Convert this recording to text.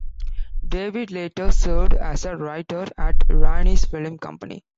David later served as a writer at Irani's film company.